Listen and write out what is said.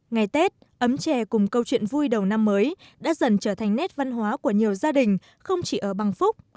ngày tết ấm trè cùng câu chuyện vui đầu năm mới đã dần trở thành nét văn hóa của nhiều gia đình không chỉ ở bang phúc